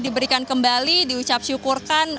diberikan kembali diucap syukurkan